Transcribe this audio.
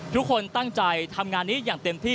ทุกคนตั้งใจทำงานนี้อย่างเต็มที่